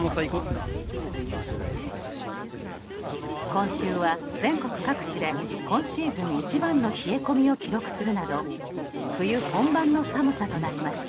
今週は全国各地で今シーズン一番の冷え込みを記録するなど冬本番の寒さとなりました。